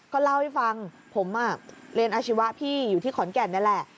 ก็เล่าให้ฟังผมเรียนอาชีวะพี่อยู่ที่ขอนแก่นนี่แหละ